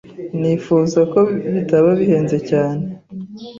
Nifuzaga ko bitaba bihenze cyane.